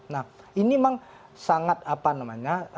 nah ini memang sangat apa namanya